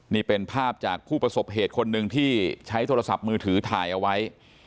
นี่เป็นภาพจากผู้ประสบเหตุคนหนึ่งที่ใช้โทรศัพท์มือถือถ่ายเอาไว้